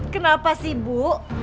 kenapa sih ibu